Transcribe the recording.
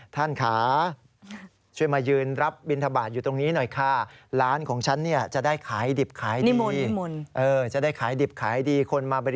ท่านค้าช่วยมายืนรับบิณฑบาตอยู่ตรงนี้หน่อยค่ะ